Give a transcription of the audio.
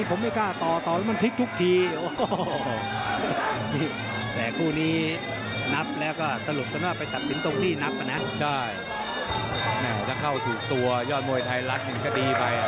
เขาถูกตัวง่ายยอดเมาท์ใยรัฐก็ดีไป